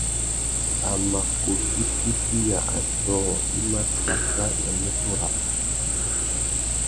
A mà kutu tiffiya atōh i mà tsaka nà nutu râā.